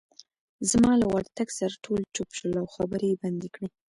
زما له ورتګ سره ټول چوپ شول، او خبرې يې بندې کړې.